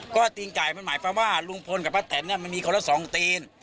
ก็ตีนไก่มันหมายความว่าลุงพลกับป้าแตนมันมีคนละสองตีน